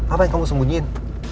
apa yang kamu sembunyiin